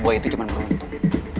boy itu cuma beruntung